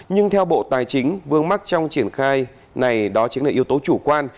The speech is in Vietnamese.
nhưng theo bộ tài chính vương mắc trong triển khai này đó chính là yếu tố chủ quan